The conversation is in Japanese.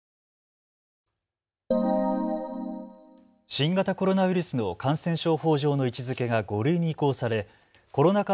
新型コロナウイルスの感染症法上の位置づけが５類に移行されコロナ禍